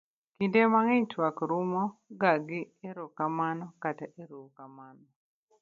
kinde mang'eny twak rumo ga gi erourukamano kata erourukamano